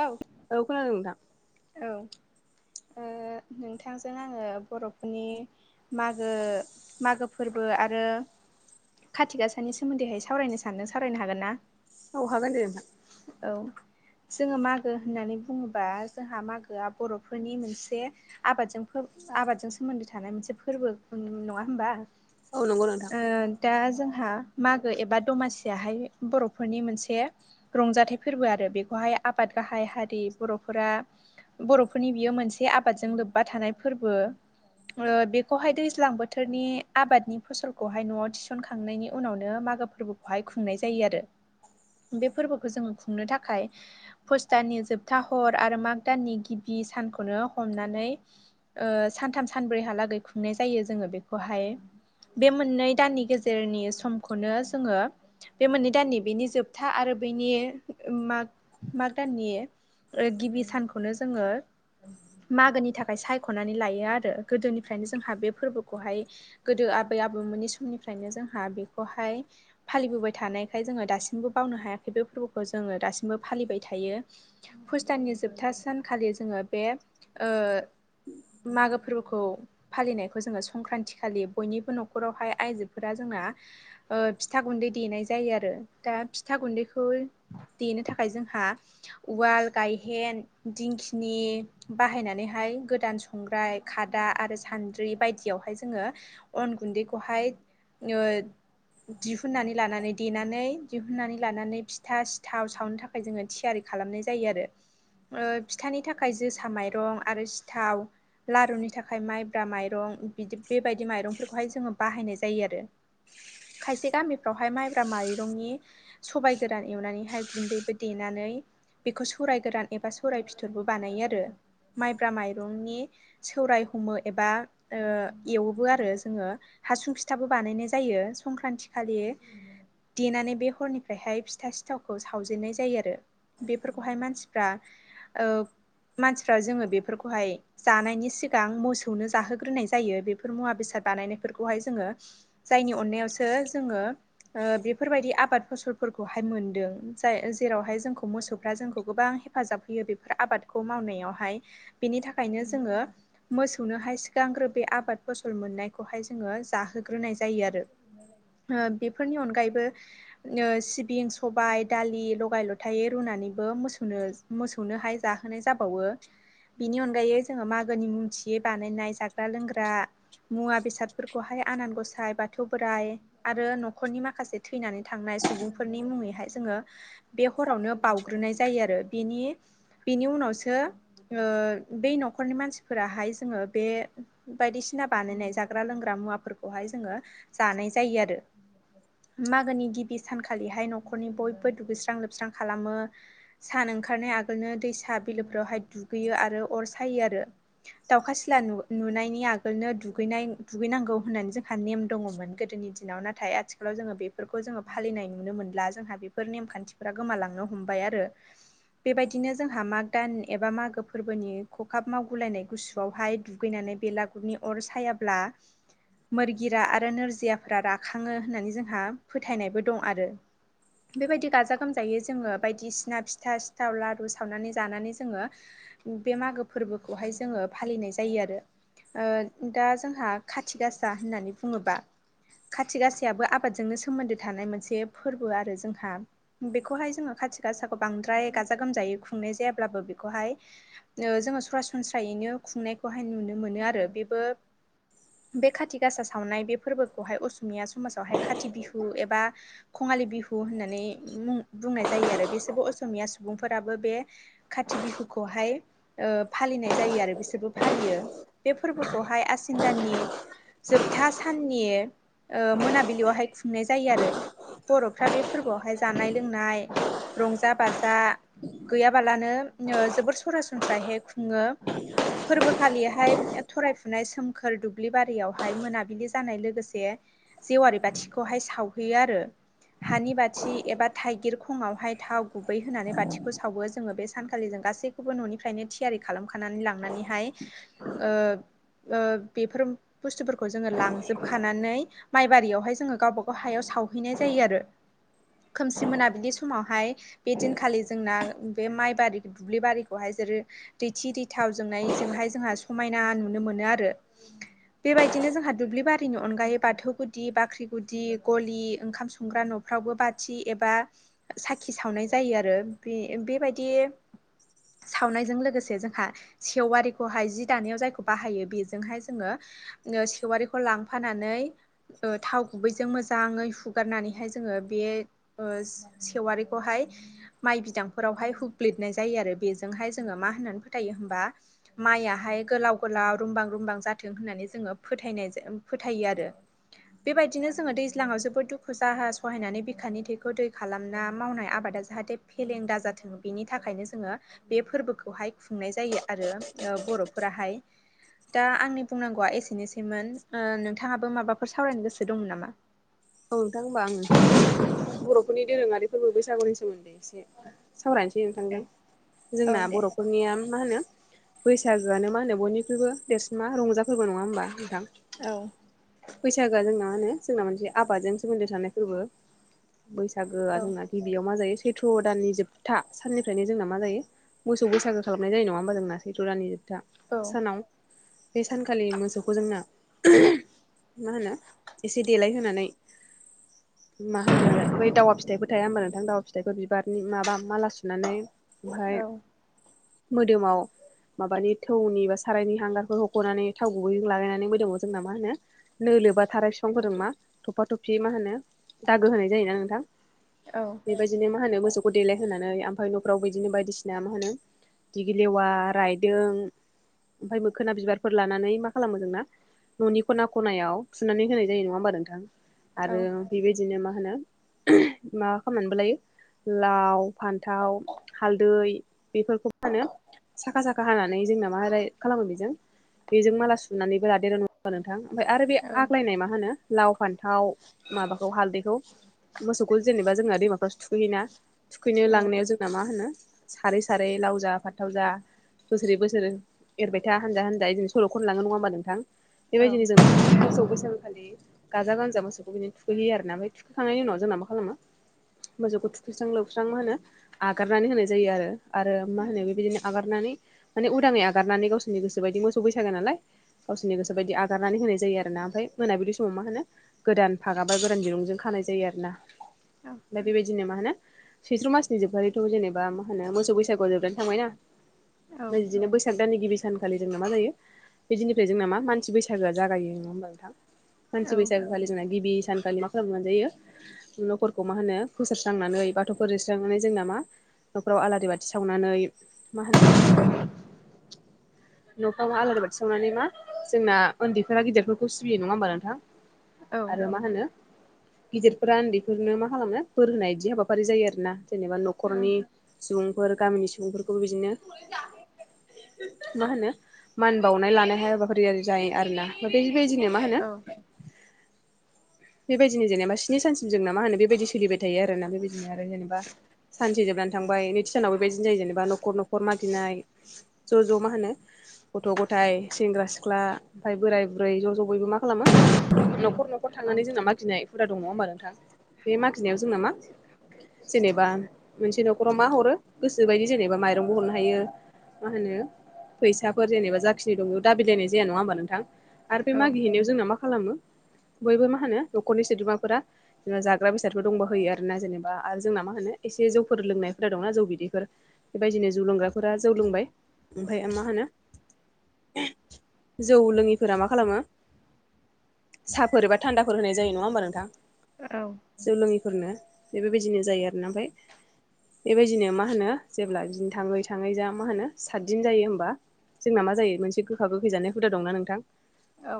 औ औ खोनादों नोंथां? औ ओ नोंथांजों आङो बर'फोरनि मागो मागो फोरबो आरो खाथि गासानि सोमोन्दैहाय सावरायनो सानदों सावरायनो हागोन ना? औ हागोन दे नोंथां। औ जोङो मागो होननानै बुङोबा जोंहा मागोआ बर'फोरनि मोनसे आबादजों आबादजों सोमोन्दो थानाय मोनसे फोरबो नङा होमबा? औ नंगौ नोंथां ओ दा जोंहा मागो एबा दमासियाहाय बर'फोरनि मोनसे रंजाथाइ फोरबो आरो बेखौहाय आबाद गाहाय हारि बर'फोरा बर'फोरनि बियो मोनसे आबादजों लोब्बा थानाय फोरबो। बेखौहाय दैज्लां बोथोरनि आबादनि फसलखौहाय न'आव थिसनखांनायनि उनावनो मागो फोरबोखौहाय खुंनाय जायो आरो। बे फोरबोखौ जोङो खुंनो थाखाय पुष दाननि जोबथा हर आरो माग दाननि गिबि सानखौनो हमनानै ओ सानथाम सानब्रैहालागै खुंनाय जायो जोङो बेखौहाय। बे मोननै दाननि गेजेरनि समखौनो जोङो बे मोननै दाननि बेनि जोबथा आरो बेनि माग माग दाननि गिबि सानखौनो जोङो मागोनि थाखाय सायख'नानै लायो आरो। गोदोनिफ्रायनो जोंहा बे फोरबोखौहाय गोदो आबै आबौमोननि समनिफ्रायनो जोंहा बेखौहाय फालिबोबाय थानायखाय जोङो दासिमबो बावनो हायाखै बे फोरबोखौ जोङो दासिमबो फालिबाय थायो। पुष दाननि जोबथा सानखालि जोङो बे ओ मागो फोरबोखौ फालिनायखौ जोङो संक्रान्ति खालि बयनिबो न'खरावहाय आइजोफोरा जोंना ओ फिथा गुन्दै देनाय जायो आरो। दा फिथा गुन्दैखौ देनो थाखाय जोंहा उवाल, गायहेन दिंखिनि बाहायनानैहाय गोदान संग्राय, खादा, आरो सान द्रि बायदियावहाय जोङो अन गुन्दैखौहाय ओ दिहुननानै लानानै देनानै दिहुननानै लानानै फिथा सिथाव सावनो था खाय जोङो थियारि खालामनाय जायो आरो। ओ फिथानि थाखाय जोसा माइरं आरो सिथाव लारुनि थाखाय माइब्रा माइरं बिदि बेबायदि माइरंफोरखौहाय जोङो बाहायनाय जायो आरो। खायसे गामिफ्रावहाय माइब्रा माइरंनि सबाइ गोरान एवनानैहाय गुन्दैबो देनानै बेखौ सौराय गोरान एबा सौराय फिथरबो बानायो आरो माइब्रा माइरंनि सौराय हमो एबा ओ एवोबो आरो जोङो। हासुं फिथाबो बानायनाय जायो संक्रान्ति खालि देनानै बे हरनिफ्रायहाय फिथा सिथावखौ सावजेननाय जायो। आरो बेफोरखौहाय मानसि फ्रा ओ मानसिफ्रा जोङो बेफोरखौहाय जानायनि सिगां मोसौनो जाहोग्रोनाय जायो। बेफोर मुवा बेसाद बानायनायफोरखौहाय जोङो। जायनि अननायावसो जोङो ओ बेफोरबायदि आबाद फसलफोरखौहाय मोनदों। जाय जेरावहाय जोंखौ मोसौफ्रा जोंखौ गोबां हेफाजाब होयो बेफोर आबादखौ मावनायावहाय। बेनि थाखायनो जोङो मोसौनोहाय सिगांग्रो बे आबाद फसल मोननायखौहाय जोङो जाहोग्रोनाय जायो आरो ओ बेफोरनि अनगायैबो सिबिं सबाय दालि लगाय लथायै रुनानैबो मोसौनो मोसौनोहाय जाहोनाय जाबावो बिनि अनगायै जोङो मागोनि मुंथियै बानायनाय जाग्रा, लोंग्रा मुवा बेसादफोरखौहाय आनान गसाय बाथौ बोराइ आरो न'खरनि माखासे थैनानै थांनाय सुबुंफोरनि मुङैहाय जोङो बे हरावनो बाउग्रोनाय जायो आरो बेनि बेनि उनावसो ओ बै न'खरनि मानसिफोराहाय जोङो बे बायदिसिना बानायनाय जाग्रा लोंग्रा मुवाफोरखौहाय जोङो जानाय जायो आरो मागोनि गिबि सानखालिहाय न'खरनि बयबो दुगैस्रां लोबस्रां खालामो सान ओंखारनाय आगोलनो दैसा बिलोफोरावहाय दुगैयो आरो अर सायो आरो दाउखा सिला नु-नुनायनि आगोलनो दुगैनाय दुगैनांगौ होननानै जोंहा नेम दङ'मोन गोदोनि दि दिनाव नाथाय आथिखालाव जोङो बेफोरखौ जोङो फालिनाय नुनो मोनला जोंहा बेफोर नेमखान्थिफोरा गोमालांनो हमबाय आरो बेबायदिनो जोंहा माग दान एबा मागो फोरबोनि खखाब मावगुलायनाय गुसुआवहाय दुगैनानै बेला गुरनि अर सायाब्ला मोरगिरा आरो नोरजियाफोरा राखाङो होननानै जोंहा फोथायनायबो दं आरो बेबायदि गाजा गोमजायै जोङो बायदिस [unintelligible] ना फिथा सिथाव लारु सावनानै जानानै जोङो बे मागो फोरबोखौहाय जोङो फालिनाय जायो आरो ओ दा जोंहा खाथि गासा होननानै बुङोबा खाथि गासायाबो आबादजोंनो सोमोन्दो थानाय मोनसे फोरबो आरो जोंहा। बेखौहाय जोङो खाथि गासाखौ बांद्राय गाजा गोमजायै खुंनाय जायाब्लाबो बेखौहाय जोङो सरासनस्रायैनो खुंनायखौहाय नुनो मोनो आरो बेबो बे खाथि‌ गासा सावनाय बे फोरबोखौहाय असमिया समाजावहाय खाथि बिहु एबा खङालि बिहु होननानै मुं बुंनाय जायो आरो बेसोरबो असमिया सु बुंफोराबो बे खाथि बिहुखौहाय ओ फालिनाय जायो आरो बिसोरबो फालियो। बे फोरबोखौहाय आसिन दाननि जोबथा साननि ओ मोनाबिलियावहाय खुंनाय जायो आरो बर'फ्रा बे फोरबोआवहाय जानाय लोंनाय रंजा बाजा गैयाबालानो जोबोर सरासनस्रायहै खुङो। फोरबो खालिहाय थरायफुनाय सोमखोर दुब्लि बारियावहाय मोनाबिलि जानाय लोगोसे जेवारि बाथिखौहाय सावहैयो आरो हानि बाथि एबा थाइगिर खङावहाय थाव गुबै होनानै बाथिखौ सावो जोङो बे सानखालि जों गासैखौबो न'निफ्रायनो थियारि खालामखानानै लांनानैहाय ओ ओ बेफोर बुस्थुफोरखौ जोङो लांजोबखानानै माइबारियावहाय जोङो गावबा [unintelligible] हायाव सावहैनाय जायो आरो खोमसि मोनाबिलि समावहाय बे दिनखालि जोंना बे माइ बारि दुब्लि बारिखौहाय [unintelligible] दैथि दैथाव जोंनायजोंहाय जोंहा समायना नुनो मोनो आरो बेबायदिनो जोंहा दुब्लि बारिनि अनगायै बाथौ गुदि बाख्रि गुदि गलि ओंखाम संग्रा न' फ्रावबो बाथि एबा साखि सावनाय जायो आरो बे बेबायदि सावनायजों लोगोसे जोंहा सेवारिखौहाय जि दानायाव जायखौ बाहायो बेजोंहाय जोङो सेवारिखौ लांफानानै ओ थाव गुबैजों मोजाङै हुगारनानैहाय जोङो बे ओज सेवारि खौहाय माइ बिदांफोरावहाय हुुब्लिदनाय जायो आरो बेजोंहाय जोङो मा होननानै फोथायो होमबा माइयाहाय गोलाव गोलाव रुमबां रुमबां जाथों होननानै जोङो फोथायनाय जा फोथायो आरो बेबायदिनो जोङो दैज्लाङाव जोबोद दुखु जाहा सहायनानै बिखानि थैखौ दै खालामना मावनाय आबादा जाहाथे फेलें दा जाथों बेनि थाखायनो जोङो बे फोरबोखौहाय खुंनाय जायो आरो बर'फोराहाय दा आंनि बुंनांगौआ एसेनोसैमोन नोंथाङाबो माबाफोर सावरायनो गोसो दंमोन नामा औ नोंथां होनबा आङो बर'फोरनि दोरोङारि फोरबो बैसागुनि सोमोन्दै एसे सावराय [unintelligible] औ जोंना दे बर'फोरनिया मा होनो बैसागोआनो मा होनो बयनिख्रुइबो देरसिन मा रंजा फोरबो नङा होमबा नोंथां औ। बैसागोआ जोंना मा होनो जोंना मोनसे आबादजों सोमोन्दो थानाय फोरबो बैसागोआ जोंना गिबियाव मा जायो सैथ्र' दाननि जोबथा साननिफ्रायनो जोंना मा जायो मोसौ बैसागो खालामनाय जायो नङा होमबा जोंना सैथ' राननि जोबथा औ सानाव बे सानखालि मोसौखौ जोंना मा होनो एसे देलायहोनानै मा होनो बै दाावा फिथाइफोर थाया होनोमबा नोंथां दाावा फिथाइखौ बिबारनि माबा माला सुनानै औ ओमफाय मोदोमाव माबानि थौनि बा सारायनि हांगारफोर हख'नानै थाव गुबैजों लागायनानै मोदोंोम जोंना मा होनो नो लोबा थाराय बिफांफोरदों मा थफा थफि मा होनो दागो होनाय जायोना नोंथां औ बिदिनो मा होनो मोसौखौ देलाय होनोनानै ओमफ्राय न'फ्राव बिदिनो बायदिसिना मा होनो दिगि लेवा रायदों ओमफफ्राय मोखोना बिबारफोर लानानै मा खालामो जोंना न'नि खना खनायाव सुनानै होनाय जायो नङा होमबा नोंथां औ आरो बेबायदिनो मा होनो मा खालामनानैबो लायो लाव फान्थाव हालदै बेफोरखौ फानो साखा साखा हानानै जोंना मााय खालामो बेजों बेजों माला सुनानैबो लाादेरा नो नोंथां ओमफ्राय आरो बे औ औ आग्लायनाय मा होनो लाव फान्थाव माबाखौ हालदैखौ मोसौखौ जेनेबा जोंना दैमाफ्रो थुखैैोना थुखैनो लांनायाव जोंना मा होनो सारै सारै लाव जा फाथाव जा बोसोरै बोसोर एरबाय था हानजा हानजा बिदिनो सल'नलाङो नङाोमबा नोंथां बेबायदिनो जों मोसौ बैसागखालि गाजा गोजा मोसखौ बिदि थुखैयो ना म थखांनायनि उनाव जोंना मा खालामो मोसौखौ थुखैस्रां लौस्रां मा होनो आगारनानै होनाय जायो आरो मा होनो बेबायदिनो आगार गारनानै माने उदाङै आगारनानै गावसोरनि गोसो बायदि मोसौ बैसागोन नालाय गावसिनि गोसो बायदि आगनानै होनाय जायो आरो ना मफ्राय मोनाब बिदि ाव मा होनो गोदान फागा बा गोदानिरुंजों खानाय जायो आरोोना फ्राय बेबायदिनो जेनेब मा होनो सैथ्र' मासनि जोबगारैथ' जेनेबा मा होनो मोसौ बैसागुआव जोबनानै थांबाय ना बिदिनो बैसाग दानि गिबिसि सानखालि जोंना मा जायो बिदिनिफ्राय जोंना मा मानसि बैसागोआ जागायो नङा होनबा नोंथां मानसि बैसागोखालि जोंना गिबि सानखालि मा खालामनो मोनजायो न'खरखौ मा होनो फुसारस्रांनानै बाथौफोर रस्रांनानै जोंना मा न'खराव आलारि बाथि सावनानै मा होनो न'खाव आलारि बाथि सावनानै मा जोंना उन्दैफोरा गिदिरफोरखौ सिबियो नङा होमब आरो मा होनो गिदिरफोरा उन्दैफोरनो मा खालामनो बोर होनाय बिदि हाबाफारि जायो आरो ना जेनेबा न'खरनि सुबुंफोर गामिनि सुबुंफोरखौबो बिदिनो मा होनो मान बावनाय लानाय हाबाफारि जायो आरोोना बेबायदिनो मा होनो बेबायदिनो जेनेबा सनि सानम जोंना मा होनो बेबायदि सोलिबायायो ायो आरोोना बेबायदिनो आरो जेनेबा सानसे जोबनानै थांबाय सोरनाव बेबायदि जायो जेनेबा नखर नखर मादिनाय ज' ज' मा होनो गथ' गथाय सेंग्रा सिख्ला ओमफफ्राय बोराय बुरै ज' ज' बयबो मा खालामो न'खर न'खर थांनानै जोंना मा गिनाय बुरजा दङ होनोमबा नोंथां बे माखिनायाव जों नामा जेनेबा मोनसे न'खराव मा हरो गोसोबायदि जेनेबा माइरंबो हरनो हायो मा होनो फैसाफोर जेनेबा जाखिनि दङ दाबिलाायनाय जाया नङा होमबा नोंथां आरो बे मागिहैनायाव जोंना मा खालामो बयबो मा होनो न'खरनि सोद्रोमाफोरा जेन जाग्रा बेसादफोर दंबा होयो आरोना जेनेबा आरो जोंना मा होनो एसे जौफोर लोंनायफोरा दंना जौ बिदैफोर बेबायदिनो जौ लोंग्राफोरा जौ लोंबाय ओमफ्राय मा होनो जौ लोङिफोरा मा खालामो साफोर एा थान्दाफोर होनाय जायो नङा होमबा नोंथां औ जौ लोङैफोरनो बे बेबायदिनो जायो आरोना ओमफ्राय बेबायदिनो मा होनो जेब्ला बिदिन थाङै थाङै जा मा होनो सातदिन जायो होमबा जोंना मा जायो मोनसे गोखा गोखैजानाय हुदा दंना नोंथां औ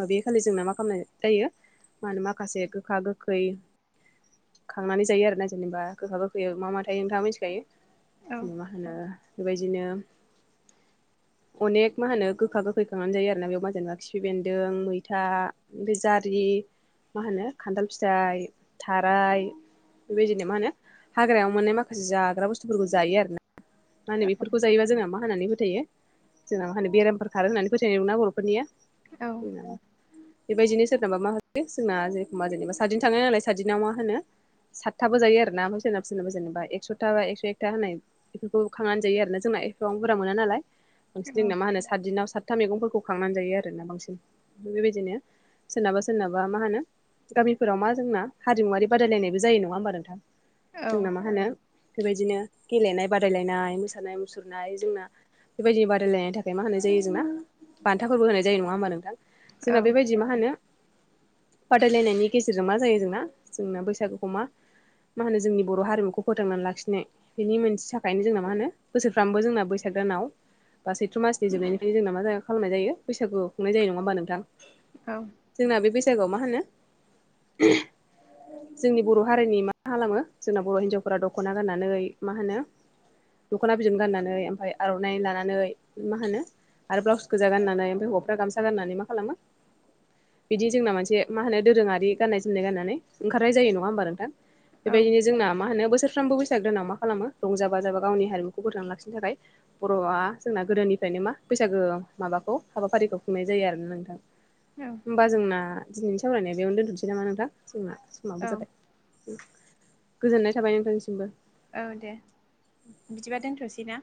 माबे खालि जोंना मा खालामनाय जायो मा होनो माखासे गोखा गोखै खांनानै जायो आर ना जेनेबा गोखा गोखैयाव मा मा थायो नोंथाङा मिथिखायो [inaudible] मा होनो बेबायदिनो अनेक मा होनो गोखा गोखै खांनानै जायो आरो ना बे मा जेनबा खिफि बेन्दों दों मैथा ओमफ्राय जारि मा होनो खान्थाल फिथाइ थाराय बेबायदिनो मा होनो हाग्रायाव मोननाय माखासे जाग्रा बुस्थुफोरखौ जायो आरो ना मा होनो बेफोरखौ जायोबा जोंना मा होननानै फोथायो जेननाव मा होनानि बेरामफोर खारो होननानै फोथायनाय दं ना बर'फोरनिया औ जोंना बेबायदिनो सोरनाबा मा होयो जोंना जेरेखम जेनेबा सादिन थांनाय नालाय सातदिनाव मा होनो सातथाबो जायो ना ओमफ्राय सोरनाबा सोरनाबा जेनबा एकस'था एक्स' एकथा होनाय बेफोरखौ खांनानै जायो आरो जोंना एफबां बुरजा मोना नालाय बांसिन जोंना मा औ होनो सात दिनाव सातथा मैगंफोरखौ खांनानै जायो आरोना बांसिन बेबायदिनो सोरनाबा सोरनाबा मा होनो गामिफोराव मा जोंना हारिमुवारि बादायलायनायबो जायो नङा होमबा नोंथां औ जोंना मा होनो बेबायदिनो गेलेनाय बादायलायनाय मोसानाय मुसुरनाय जोंना बेबायदि बादायलायनायनि थाखाय बेओ मा होनाय जायो जोंना बान्थाफोरबो होनाय जायो नङा होमबा नोंथां औ जोंना बेबायदि मा होनो बादायलायनायनि गेजेरजों मा जायो जोंना जोंना बैसागुखौ मा मा होनो जोंनि बर' हारिमुखौ फोथांनानै लाखिनाय बेनि मोनसे थाखायनो जोंना मा होनो बोसोरफ्रोमामबो जोंना बैसाग दानाव बा सैथ्र मासनि जोबनायनिफ्राय जोंना मा ज खालामनाय जायो बैसागु खुंनाय जायो नङा होमबा नोंथां औ जोंना बे बैसागुआव मा होनो जोंनि बर' हारिनि माा खालामो जोंना बर' हिन्जावफोरा दख'ना गाननानै मा होनो दख'ना बिदन गाननानै ओमफ्राय आर'नाइ लानानै मा होनो आरो ब्लाउस गोजा गाननानै ओमफ्राय हौवाफोरा गामसा गाननानै मा खालामो बिदि जोंना मोनसे मा होनो दोरोङारि गाननाय जोमनाय गाननानै ओंखारनाय जायो नङा होमबा नोंथां औ बेबायदिनो जोंना मा होनो बोसोरफ्रोमबो बैसाग दानाव मा खालामो रंजाबा जाबा गावनि हारिमुखौ फोथांना लाखिनो थाखाय बर'आ जोंना गोदोनिफ्रायनो मा बैसागो माबाखौ हाबाफारिखौ खुंनाय जायो आरोना नोंथां औ होमबा जोंना दिनैनि सावरायनाया बेयावनो दोनथ'नोसै नामा नोंथां जोंना औ खोमाबो जाबाय गोजोननाय थाबाय नोंथांनिसिमबो औ दे बिदिबा दोनथ'सै ना